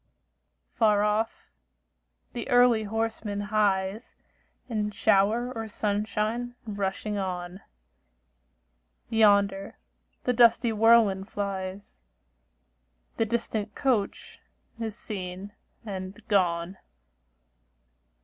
Far off, the early horseman hies, In shower or sunshine rushing on; Yonder the dusty whirlwind flies; The distant coach is seen and gone.